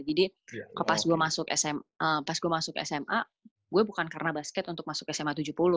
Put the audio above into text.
jadi pas gue masuk sma gue bukan karena basket untuk masuk sma tujuh puluh